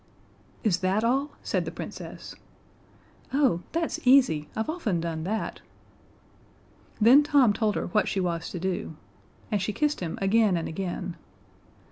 "Is that all?" said the Princess. "Oh that's easy I've often done that!" Then Tom told her what she was to do. And she kissed him again and again.